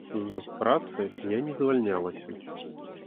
З працы я не звальнялася.